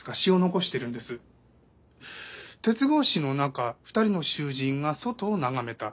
「鉄格子の中二人の囚人が外を眺めた」。